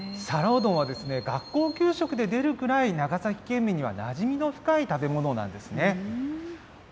皿うどんは学校給食で出るぐらい、長崎県民にはなじみの深い食べ物なんですね。